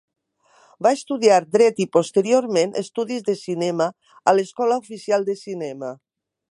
Va estudiar dret i posteriorment estudis de cinema a l'Escola Oficial de Cinema.